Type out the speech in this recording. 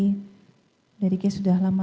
karena waktu itu saya tidak enak badan